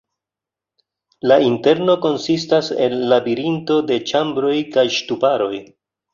La interno konsistas el labirinto de ĉambroj kaj ŝtuparoj.